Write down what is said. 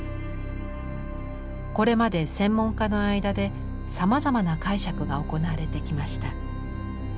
これまで専門家の間でさまざまな解釈が行われてきました。